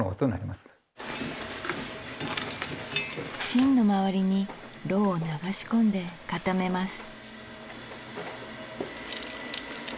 芯の回りにロウを流し込んで固めます